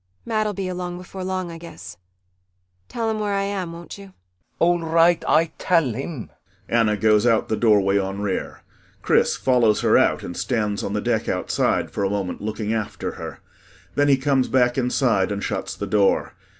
Mat'll be along before long, I guess. Tell him where I am, will you? CHRIS [Despondently.] All right, Ay tal him. [ANNA goes out the doorway on rear. CHRIS follows her out and stands on the deck outside for a moment looking after her. Then he comes back inside and shuts the door.